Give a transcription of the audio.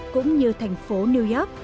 cũng như thành phố new york